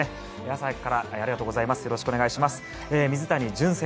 朝早くからありがとうございます。